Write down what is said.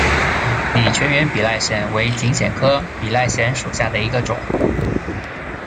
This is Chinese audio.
拟全缘比赖藓为锦藓科比赖藓属下的一个种。